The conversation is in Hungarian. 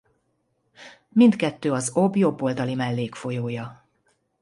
Mindkettő az Ob jobb oldali mellékfolyója.